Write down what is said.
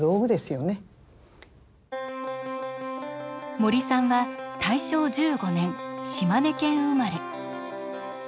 森さんは大正１５年島根県生まれ。